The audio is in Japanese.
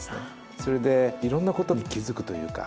それでいろんなことに気付くというか。